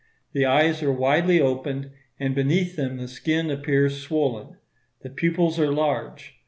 The eyes are widely opened, and beneath them the skin appears swollen; the pupils are large.